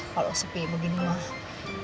kalau sepi beginilah